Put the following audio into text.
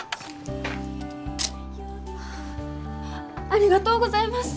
ありがとうございます！